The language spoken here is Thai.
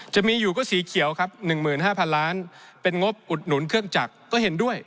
จะมีอยู่ก็สีเขียวครับ๑๕๐๐๐ล้านเป็นงบอุดหนุนเครื่องจักรก็เห็นด้วย